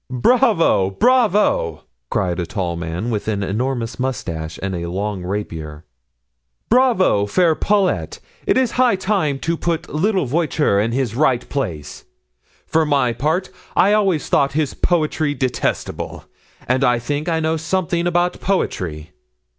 "Bravo bravo!" cried a tall man with an enormous mustache and a long rapier, "bravo, fair Paulet, it is high time to put little Voiture in his right place. For my part, I always thought his poetry detestable, and I think I know something about poetry."